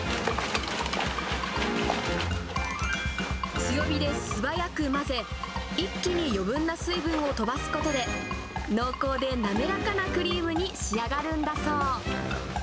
強火で素早く混ぜ、一気に余分な水分を飛ばすことで、濃厚で滑らかなクリームに仕上がるんだそう。